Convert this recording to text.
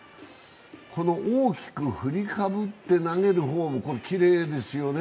この大きく振りかぶって投げるフォーム、きれいですよね。